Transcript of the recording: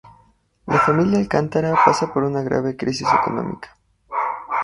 La familia Alcántara pasa por una grave crisis económica.